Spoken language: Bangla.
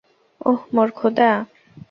ওহ, মোর খোদা।